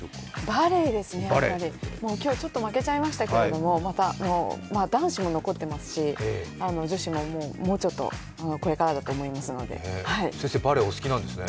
バレーですね、今日負けちゃいましたけれども、男子も残ってますし女子ももうちょっとこれからだと思いますので先生、バレーお好きなんですね？